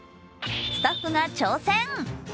スタッフが挑戦。